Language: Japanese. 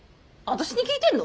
私に聞いてんの！？